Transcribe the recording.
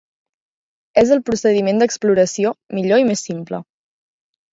És el procediment d'exploració millor i més simple.